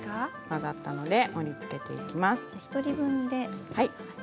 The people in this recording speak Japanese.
混ざったので盛りつけていきます。